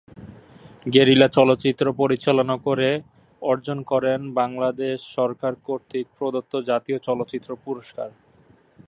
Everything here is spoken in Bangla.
গেরিলা চলচ্চিত্র পরিচালনা করে অর্জন করেন বাংলাদেশ সরকার কর্তৃক প্রদত্ত জাতীয় চলচ্চিত্র পুরস্কার।